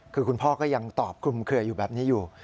คือคุณพ่อก็ยังตอบคลุมเคลืออยู่แบบนี้อยู่